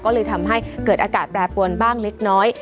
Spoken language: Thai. ก็เลยทำให้เกิดอากาศแปรปวนบ้างเล็กน้อย